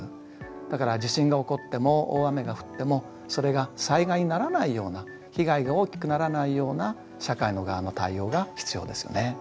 だから地震が起こっても大雨が降ってもそれが災害にならないような被害が大きくならないような社会の側の対応が必要ですよね。